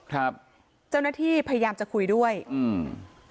ครับเจ้าหน้าที่พยายามจะคุยด้วยอืม